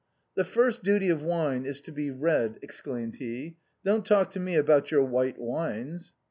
" The first duty of wine is to be red," exclaimed he, " don't talk to me about your white wines."